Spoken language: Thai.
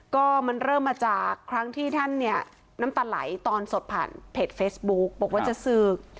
ก็มันเริ่มมาจากครั้งที่ท่านเนี่ยน้ำตาไหลตอนสดผ่านเพจเฟซบุ๊กบอกว่าจะศึก